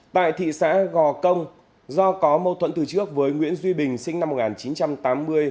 tại thị xã gò công do có mâu thuẫn từ trước với nguyễn duy bình sinh năm một nghìn chín trăm tám mươi